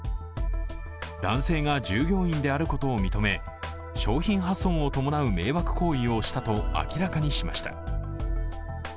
男性が従業員であることを認め商品破損を伴う迷惑行為をしたと明らかにしました。